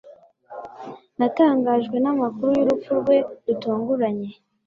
Natangajwe n'amakuru y'urupfu rwe rutunguranye.